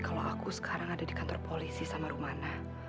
kalau aku sekarang ada di kantor polisi sama rumana